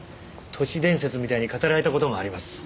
都市伝説みたいに語られた事もあります。